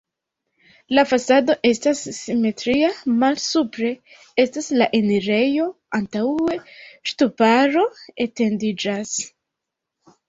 La fasado estas simetria, malsupre estas la enirejo, antaŭe ŝtuparo etendiĝas.